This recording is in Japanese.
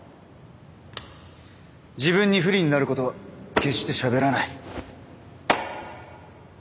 自分に不利になることは決してしゃべらない。